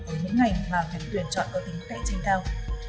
với những ngành mà phải tuyển chọn có tính cạnh tranh cao